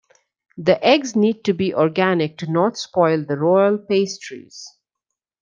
The eggs need to be organic to not spoil the royal pastries.